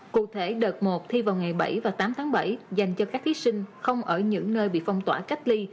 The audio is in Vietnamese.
cụ thể đợt một thi vào ngày bảy và tám tháng bảy dành cho các thí sinh không ở những nơi bị phong tỏa cách ly